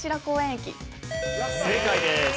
正解です。